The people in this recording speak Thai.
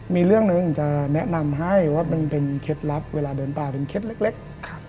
มีเรื่องหนึ่งจะแนะนำให้ว่าเป็นเคล็ดลับเวลาเดินป่าค่ะ